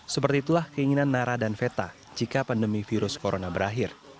seperti itulah keinginan nara dan veta jika pandemi virus corona berakhir